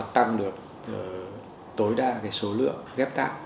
tăng được tối đa số lượng ghép tạng